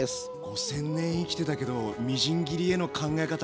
５，０００年生きてたけどみじん切りへの考え方